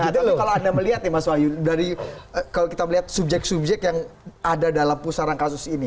tapi kalau anda melihat ya mas wahyu dari kalau kita melihat subjek subjek yang ada dalam pusaran kasus ini